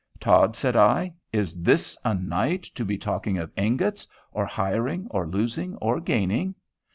"Todd," said I, "is this a night to be talking of ingots, or hiring, or losing, or gaining?